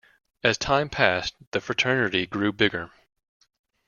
As time passed the fraternity grew bigger.